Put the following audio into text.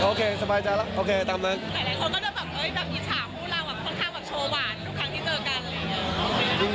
หลายคนก็นึกว่าแบบอิฉาผู้ราวมีชัวร์หวานทุกครั้งที่เจอกัน